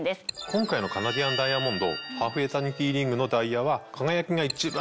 今回のカナディアンダイヤモンドハーフエタニティリングのダイヤは輝きが一番